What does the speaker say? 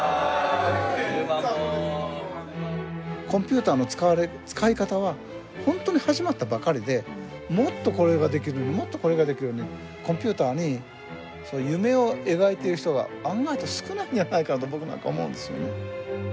コンピューターの使われ使い方は本当に始まったばかりでもっとこれができるようにもっとこれができるようにコンピューターにそういう夢を描いている人が案外と少ないんじゃないかと僕なんか思うんですよね。